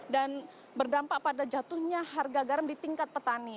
dan berdampak pada jatuhnya harga garam di tingkat petani